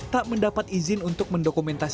tak mendapat izin untuk mendokumentasikan